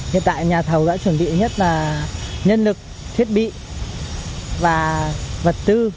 hiện tại nhà thầu đã chuẩn bị nhất là nhân lực thiết bị và vật tư